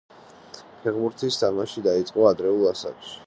ფეხბურთის თამაში დაიწყო ადრეულ ასაკში.